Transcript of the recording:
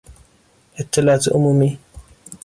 اطلاعات عمومی